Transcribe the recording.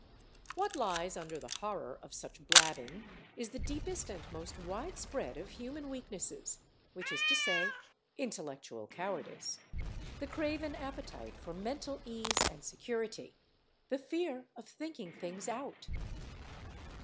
What lies under the horror of such blabbing is the deepest and most widespread of human weaknesses, which is to say, intellectual cowardice, the craven appetite for mental ease and security, the fear of thinking things out.